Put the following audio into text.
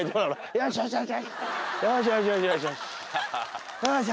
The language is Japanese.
よしよしよしよし。